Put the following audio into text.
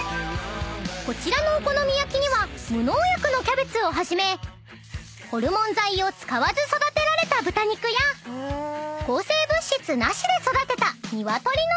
［こちらのお好み焼きには無農薬のキャベツをはじめホルモン剤を使わず育てられた豚肉や抗生物質なしで育てた鶏の卵］